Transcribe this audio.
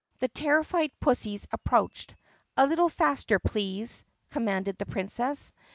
The terrified pussies approached. "A little faster, please!" commanded the Princess.